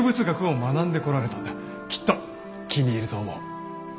きっと気に入ると思う。